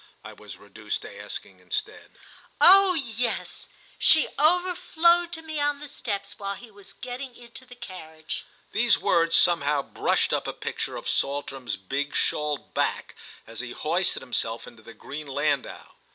I was reduced to asking instead. "Oh yes, she overflowed to me on the steps while he was getting into the carriage." These words somehow brushed up a picture of Saltram's big shawled back as he hoisted himself into the green landau.